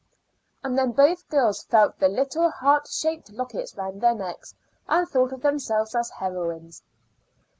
And then both girls felt the little heart shaped lockets round their necks and thought of themselves as heroines.